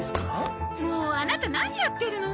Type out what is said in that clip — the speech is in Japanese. もうアナタ何やってるの！